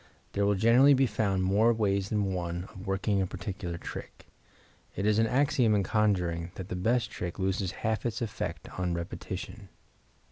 There will generally be found more ways than one of working a particular trick. It is an axiom in conjuring that the best trick loses half its effect on repetition.